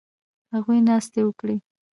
هغوی ناستې وکړې